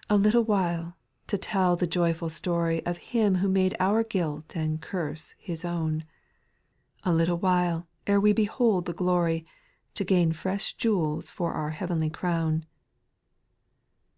6. " A little while '' to tell the joyful story Of Him who made our guilt and curse His own ; A little while ere we behold the glory. To gain fresh jewels for our heavenly crown.